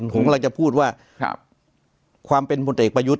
ผมกำลังจะพูดว่าความเป็นพลเอกประยุทธ์